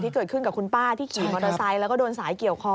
ที่เกิดขึ้นกับคุณป้าที่ขี่มอเตอร์ไซค์แล้วก็โดนสายเกี่ยวคอ